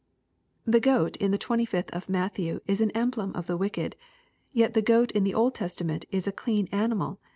The goat in the 25th of Matthew is an emblem of the wicked , yet the goat in the Old Testament is a clean animal, an!